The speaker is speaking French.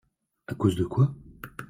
À cause de quoi ?